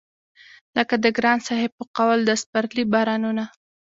لکه د ګران صاحب په قول د سپرلي بارانونه